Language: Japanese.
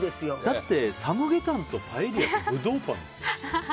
だってサムゲタンとパエリアとブドウパンですよ。